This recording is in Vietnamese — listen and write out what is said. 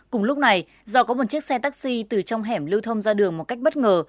cùng lúc này do có một chiếc xe taxi từ trong hẻm lưu thông ra đường một cách bất ngờ